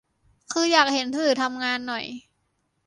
คืออยากเห็นสื่อทำงานหน่อย